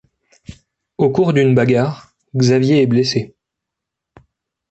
Au cours d’une bagarre, Xavier est blessé.